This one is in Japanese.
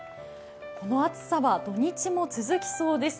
この暑さは土日も続きそうです。